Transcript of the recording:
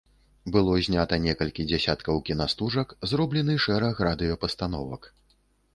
Было знята некалькі дзясяткаў кінастужак, зроблены шэраг радыёпастановак.